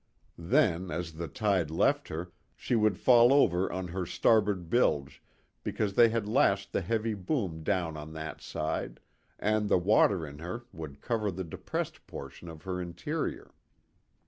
Then, as the tide left her, she would fall over on her starboard bilge, because they had lashed the heavy boom down on that side, and the water in her would cover the depressed portion of her interior.